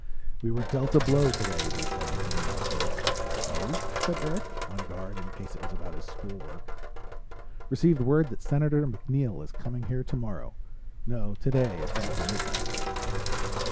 "We were dealt a blow today," he said, between mouthfuls. "Oh?" said Eric, on guard in case it was about his school work. "Received word that Senator MacNeill is coming here tomorrow. No, today it's after midnight."